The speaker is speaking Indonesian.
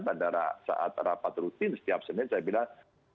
bandara saat rapat rutin setiap senin saya bilang